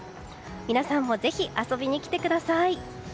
皆さんもぜひ、遊びに来てください。